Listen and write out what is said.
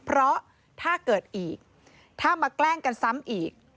เพราะถ้าเกิดอีกถ้ามาแกล้งกันซ้ำอีก